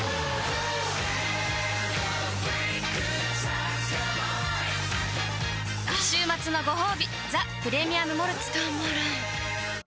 あ週末のごほうび「ザ・プレミアム・モルツ」たまらんっ